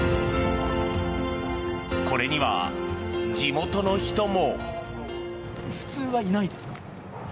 これには地元の人も。